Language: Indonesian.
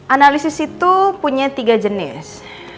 analisis itu punya tiga jenis